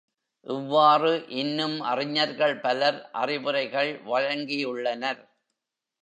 இவ்வாறு இன்னும் அறிஞர்கள் பலர் அறிவுரைகள் வழங்கியுள்ளனர்.